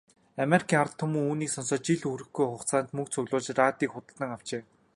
Америкийн ард түмэн үүнийг сонсоод жил хүрэхгүй хугацаанд мөнгө цуглуулж, радийг худалдан авчээ.